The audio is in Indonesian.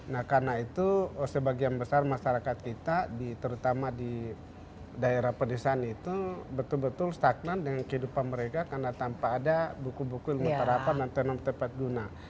nah karena itu sebagian besar masyarakat kita terutama di daerah pedesaan itu betul betul stagnan dengan kehidupan mereka karena tanpa ada buku buku ilmu tarapan dan tenun tepat guna